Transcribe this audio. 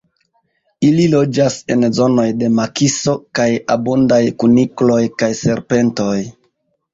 Ili loĝas en zonoj de makiso kaj abundaj kunikloj kaj serpentoj.